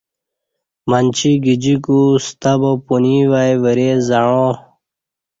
منچی گجیکو ستہ با پنوی وای ورے زعاں